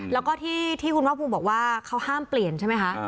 แล้วก็ที่คุณภาคภูมิบอกว่าเขาห้ามเปลี่ยนใช่ไหมคะ